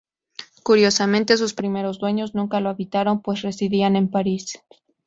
Curiosamente sus primeros dueños nunca lo habitaron pues residían en Paris.